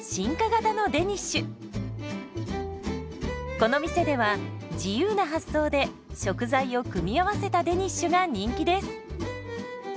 この店では自由な発想で食材を組み合わせたデニッシュが人気です。